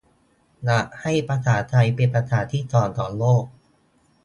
"อยากให้ภาษาไทยเป็นภาษาที่สองของโลก"